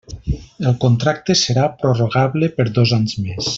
El contracte serà prorrogable per dos anys més.